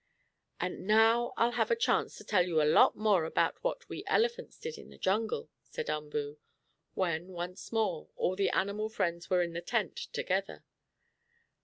"And now I'll have a chance to tell you a lot more about what we elephants did in the jungle," said Umboo, when, once more, all the animal friends were in the tent together.